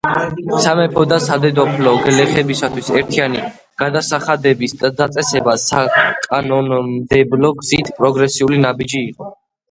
სამეფო და სადედოფლო გლეხებისათვის ერთიანი გადასახადების დაწესება საკანონმდებლო გზით პროგრესული ნაბიჯი იყო.